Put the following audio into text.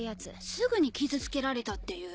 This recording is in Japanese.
すぐに傷つけられたって言う。